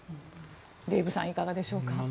デーブさんいかがでしょうか。